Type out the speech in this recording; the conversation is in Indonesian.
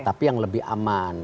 tetapi yang lebih aman